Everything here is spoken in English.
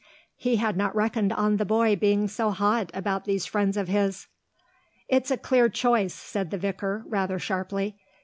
He had not reckoned on the boy being so hot about these friends of his. "It's a clear choice," said the vicar, rather sharply.